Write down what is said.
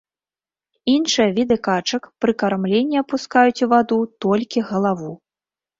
Іншыя віды качак пры кармленні апускаюць у ваду толькі галаву.